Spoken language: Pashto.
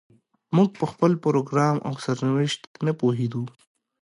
موږ په خپل پروګرام او سرنوشت نه پوهېدو.